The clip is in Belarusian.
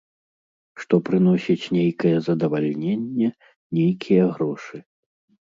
Што прыносіць нейкае задавальненне, нейкія грошы.